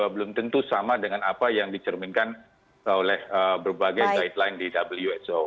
belum tentu sama dengan apa yang dicerminkan oleh berbagai guideline di wso